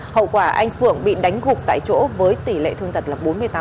hậu quả anh phượng bị đánh gục tại chỗ với tỷ lệ thương tật là bốn mươi tám